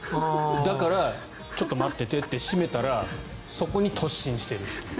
だから、ちょっと待っててって閉めたらそこに突進しているという。